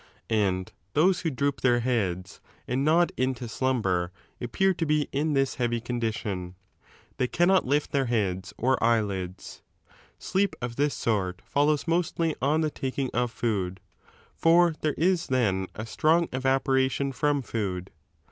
And those who droop their heads and nod into to ■lumber appear to be in this heavy condition ; they cannot lift their heads or eyelids. Sleep of this sort follows mostly on the taking of food. For there is then a strong evaporation from food.